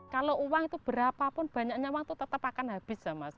kalau uang itu berapapun banyaknya uang itu tetap akan habis